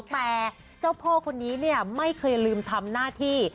แต่เจ้าพ่อคนนี้เนี่ยไม่เคยลืมทำหน้าที่